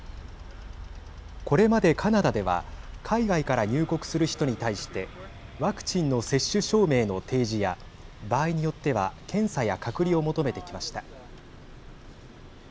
これまでカナダでは海外から入国する人に対してワクチンの接種証明の提示や場合によっては検査や隔離を求めてきました。